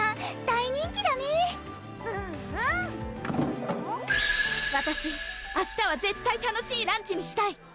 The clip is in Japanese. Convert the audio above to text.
大人気だねうんうんわたし明日は絶対楽しいランチにしたい！